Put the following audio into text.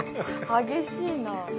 激しいな。